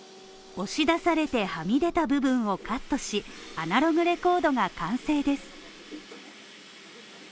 押し出されてはみ出た部分をカットし、アナログレコードが完成です。